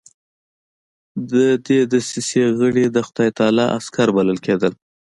د دې دسیسې غړي د خدای تعالی عسکر بلل کېدل.